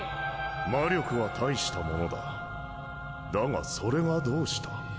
魔力は大したものだだがそれがどうした？